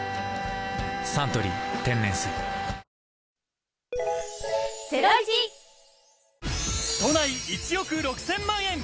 「サントリー天然水」都内１億６０００万円。